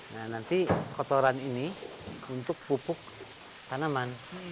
nah nanti kotoran ini untuk pupuk tanaman